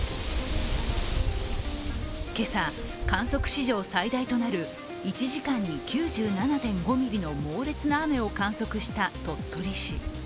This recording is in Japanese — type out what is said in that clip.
今朝、観測史上最大となる１時間に９７．５ミリの猛烈な雨を観測した鳥取市。